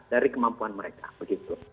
dari kemampuan mereka begitu